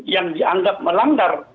yang dianggap melanggar